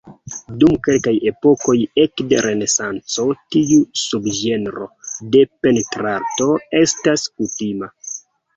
Dum kelkaj epokoj ekde Renesanco tiu subĝenro de pentrarto estas kutima.